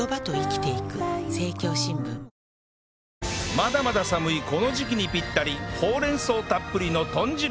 まだまだ寒いこの時期にぴったりほうれん草たっぷりの豚汁